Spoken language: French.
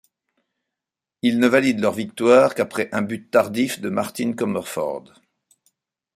Il ne valident leur victoire qu’après un but tardif de Martin Comerford.